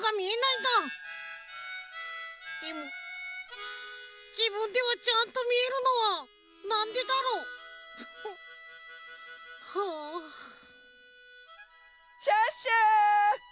でもじぶんではちゃんとみえるのはなんでだろう？はあ。シュッシュ！